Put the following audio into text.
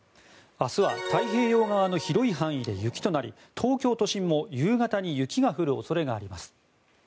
明日は太平洋側の広い範囲で雪となり東京都心も夕方に雪が降る恐れがあります。